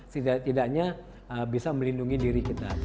setidaknya bisa melindungi diri kita